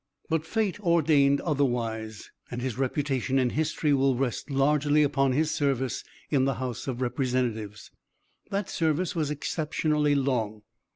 But fate ordained otherwise, and his reputation in history will rest largely upon his service in the House of Representatives. That service was exceptionally long.